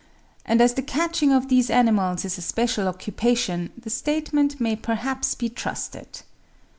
and as the catching of these animals is a special occupation, the statement may perhaps be trusted.